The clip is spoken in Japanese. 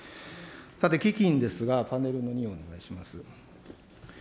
さて、基金ですが、パネルの用意お願いします。